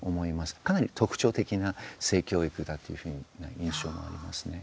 かなり特徴的な性教育だというふうな印象もありますね。